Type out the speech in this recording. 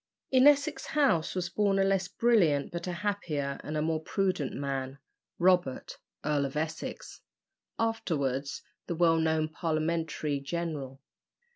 In Essex House was born a less brilliant but a happier and a more prudent man Robert, Earl of Essex, afterwards the well known Parliamentary general.